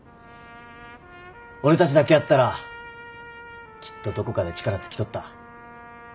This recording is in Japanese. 俺たちだけやったらきっとどこかで力尽きとった。